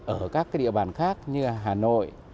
ở các địa bàn khác như hà nội